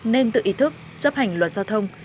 nên tự ý thức chấp hành luật giao thông